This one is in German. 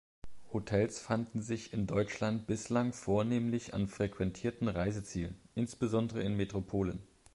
Hostels fanden sich in Deutschland bislang vornehmlich an frequentierten Reisezielen, insbesondere in Metropolen.